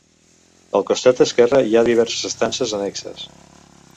Al costat esquerre hi ha diverses estances annexes.